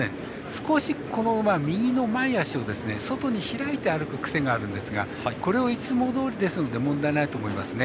少し、この馬、右の前脚を外に開いて歩く癖があるんですがこれはいつもどおりですので問題ないです。